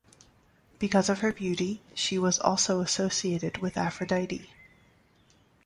Because of her beauty she was also associated with Aphrodite.